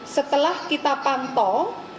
setelah kita pantau